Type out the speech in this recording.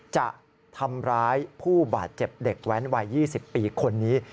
จะทำร้ายผู้บาดเจ็บเด็กแว้นวัย๒๐ปีคนนี้